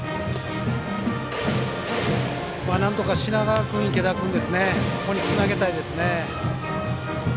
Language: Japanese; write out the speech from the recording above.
なんとか品川君、池田君ここにつなげたいですね。